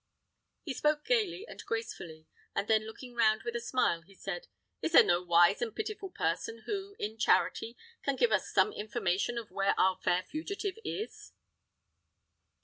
He spoke gayly and gracefully, and then looking round with a smile, he said, "Is there no wise and pitiful person who, in charity, can give us some information of where our fair fugitive is?"